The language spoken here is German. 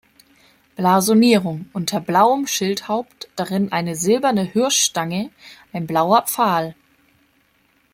Blasonierung: Unter blauem Schildhaupt, darin eine silberne Hirschstange, ein blauer Pfahl.